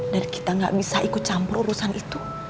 dan kita gak bisa ikut campur urusan itu